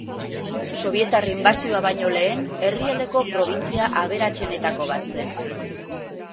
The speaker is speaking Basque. Sobietar inbasioa baino lehen herrialdeko probintzia aberatsenetako bat zen.